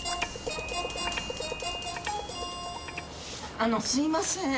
あのうすいません。